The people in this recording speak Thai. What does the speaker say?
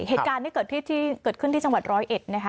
เหตุการณ์ที่เกิดขึ้นที่จังหวัดร้อยเอ็ดนะคะ